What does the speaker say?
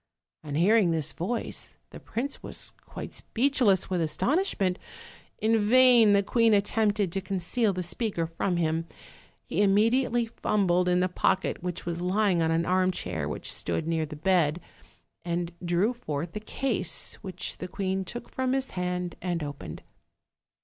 On hearing this voice the prince was quite speechless with astonishment. In vain the queen attempted to con ceal the speaker from him: he immediately fumbled in the pocket which was lying on an armchair which stood near the bed, and drew forth the case, which the queen took from his hand and opened.